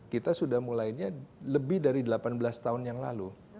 kita sudah mulainya lebih dari delapan belas tahun yang lalu